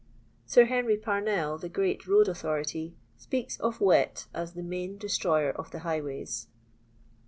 Sir Henry Pamell, the great road authority, speaks of wet as the main destroyer of the highways.